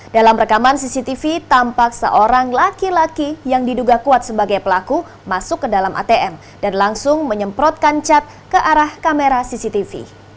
dalam rekaman cctv tampak seorang laki laki yang diduga kuat sebagai pelaku masuk ke dalam atm dan langsung menyemprotkan cat ke arah kamera cctv